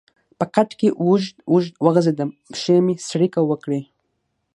په کټ کې اوږد اوږد وغځېدم، پښې مې څړیکه وکړې.